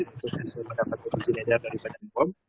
itu proses mendapatkan kebijinan daripada pom